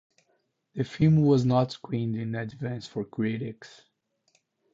The film was not screened in advance for critics.